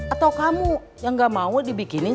atau kamu yang gak mau dibikinin